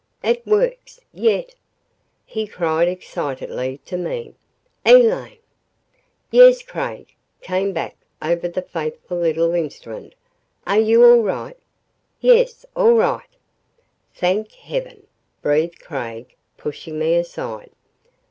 "It works yet!" he cried excitedly to me. "Elaine!" "Yes, Craig," came back over the faithful little instrument. "Are you all right?" "Yes all right." "Thank heaven!" breathed Craig, pushing me aside.